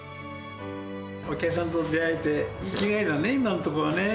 お客さんと出会えて、生きがいだね、今のところはね。